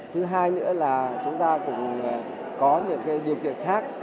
thứ hai nữa là chúng ta cũng có những điều kiện khác